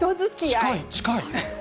近い、近い。